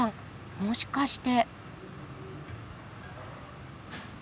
もしかして。